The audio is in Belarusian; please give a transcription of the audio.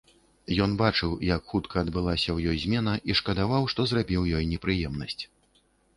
Ён бачыў, як хутка адбылася ў ёй змена, і шкадаваў, што зрабіў ёй непрыемнасць.